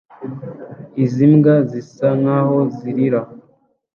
Izi mbwa zisa nkaho zirira